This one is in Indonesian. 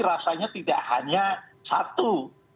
rasanya tidak hanya satu